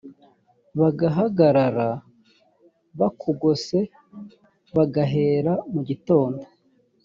bagahagarara bakugose bagahera mu gitondo